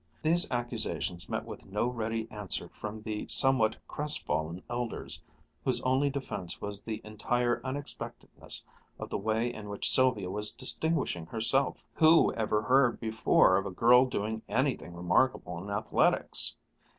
These accusations met with no ready answer from the somewhat crestfallen elders, whose only defense was the entire unexpectedness of the way in which Sylvia was distinguishing herself. Who ever heard before of a girl doing anything remarkable in athletics?